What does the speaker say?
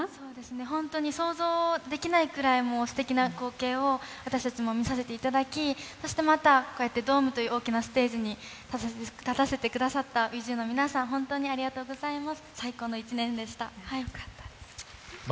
本当に想像できないくらい素敵な光景を見させていただき、そしてまたドームという大きなステージに立たせてくださった皆さん、本当にありがとうございます。